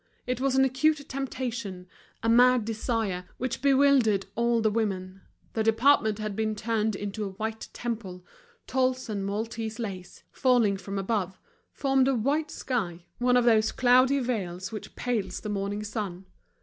It was an acute temptation, a mad desire, which bewildered all the women. The department had been turned into a white temple, tulles and Maltese lace, falling from above, formed a white sky, one of those cloudy veils which pales the morning sun.